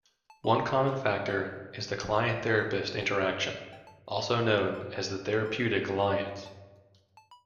One common factor is the client-therapist interaction, also known as the therapeutic alliance.